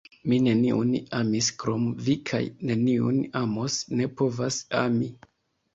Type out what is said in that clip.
Mi neniun amis krom vi kaj neniun amos, ne povas ami!